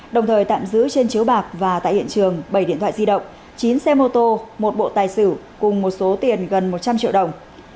đồng thời tạm giữ trên chiếu bạc và tại hiện trường bảy điện thoại di động chín xe mô tô một bộ tài xử cùng một số tiền gần một trăm linh triệu đồng